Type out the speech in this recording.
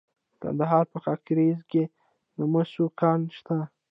د کندهار په خاکریز کې د مسو کان شته.